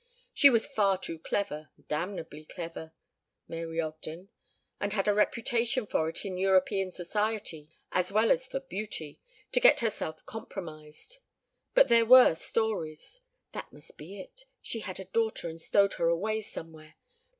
She was far too clever damnably clever, Mary Ogden, and had a reputation for it in European Society as well as for beauty to get herself compromised. But there were stories that must be it! She had a daughter and stowed her away somewhere.